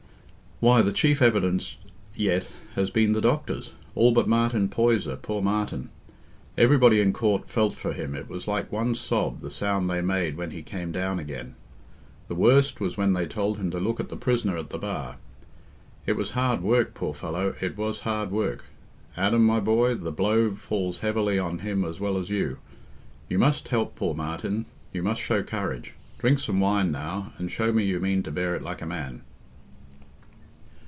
"Why, the chief evidence yet has been the doctors; all but Martin Poyser—poor Martin. Everybody in court felt for him—it was like one sob, the sound they made when he came down again. The worst was when they told him to look at the prisoner at the bar. It was hard work, poor fellow—it was hard work. Adam, my boy, the blow falls heavily on him as well as you; you must help poor Martin; you must show courage. Drink some wine now, and show me you mean to bear it like a man."